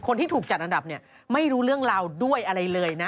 คนที่ถูกจัดอันดับเนี่ยไม่รู้เรื่องราวด้วยอะไรเลยนะ